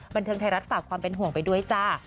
บันเทิงไทยรัฐฝากความเป็นห่วงไปด้วยจ้า